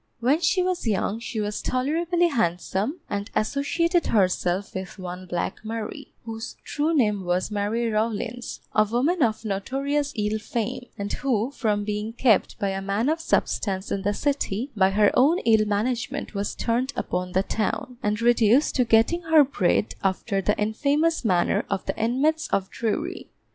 When she was young, she was tolerably handsome, and associated herself with one Black Mary, whose true name was Mary Rawlins, a woman of notorious ill fame, and who, from being kept by a man of substance in the City, by her own ill management was turned upon the town, and reduced to getting her bread after the infamous manner of the inmates of Drury.